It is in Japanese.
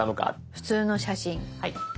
普通の写真。